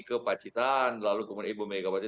ke pacitan lalu kemudian ibu megawati